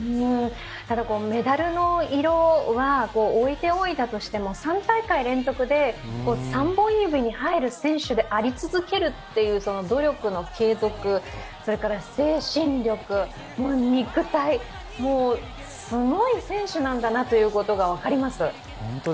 メダルの色は、置いておいたとしても３大会連続で３本指に入る選手であり続けるという努力の継続、それから精神力、肉体、もう、すごい選手なんだなということが分かります。